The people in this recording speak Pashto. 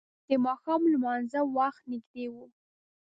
د ماښام لمانځه وخت نږدې و.